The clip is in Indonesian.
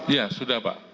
ya sudah pak